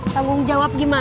tanggung jawab gimana